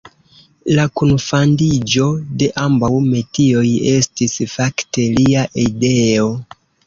La kunfandiĝo de ambaŭ metioj estis fakte lia ideo.